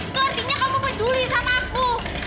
itu artinya kamu peduli sama aku